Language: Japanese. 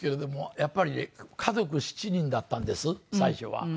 やっぱりね家族７人だったんです最初は。